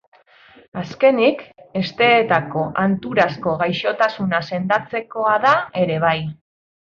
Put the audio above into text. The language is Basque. Azkenik, hesteetako hanturazko gaixotasuna sendatzekoa da ere bai.